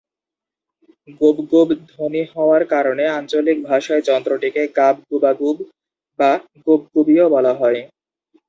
গুব্গুব্ ধ্বনি হওয়ার কারণে আঞ্চলিক ভাষায় যন্ত্রটিকে ‘গাব গুবাগুব’ বা ‘গুবগুবি’ও বলা হয়।